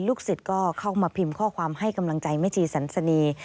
สิทธิ์ก็เข้ามาพิมพ์ข้อความให้กำลังใจแม่ชีสันสนี